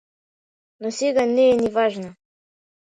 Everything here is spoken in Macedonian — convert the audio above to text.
Но сега не е ни важно.